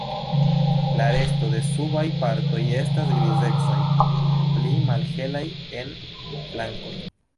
La resto de subaj partoj estas grizecaj, pli malhelaj en flankoj.